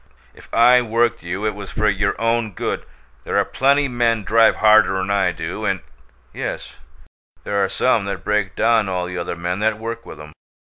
If I worked you it was for your own good. There are plenty men drive harder'n I do, and " "Yes. There are some that break down all the other men that work with 'em.